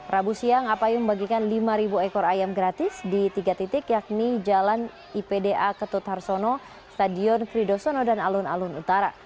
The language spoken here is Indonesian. rabu siang apayo membagikan lima ekor ayam gratis di tiga titik yakni jalan ipda ketut harsono stadion kridosono dan alun alun utara